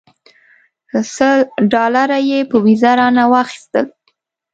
سل ډالره یې په ویزه رانه واخیستل.